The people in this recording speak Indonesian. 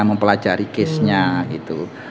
mempelajari case nya gitu